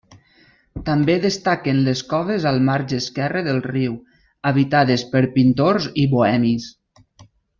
També destaquen les coves al marge esquerre del riu, habitades per pintors i bohemis.